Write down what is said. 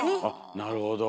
あなるほど。